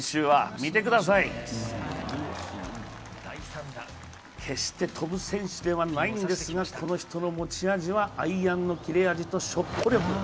見てください、決して飛ぶ選手ではないんですがこの人の持ち味はアイアンの切れ味とショット力。